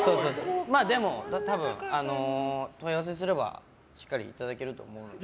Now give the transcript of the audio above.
でも多分、問い合わせすればしっかりいただけると思うので。